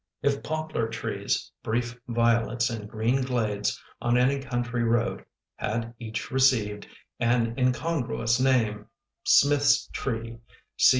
If poplar trees, brief violets and green glades On any country road had each received An incongruous name — Smith's Tree, C.